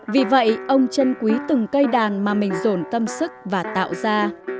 vì vậy ông chân quý từng cây đàn mà mình dồn tâm sức và tạo ra